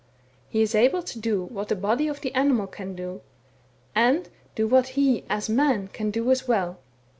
He is able to do what the body of the animal can do, and do what he, as man, can do as well.